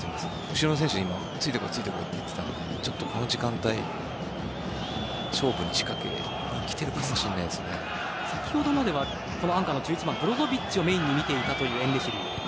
後ろの選手についてこいって言っていたのでちょっと、この時間帯勝負を仕掛けに先ほどまではアンカーの１１番ブロゾヴィッチをメインに見ていたというエンネシリ。